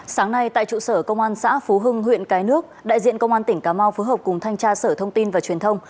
sáng nay tại trụ sở công an xã phú hưng huyện cái nước đại diện công an tỉnh cà mau phối hợp cùng thanh tra sở thông tin và truyền thông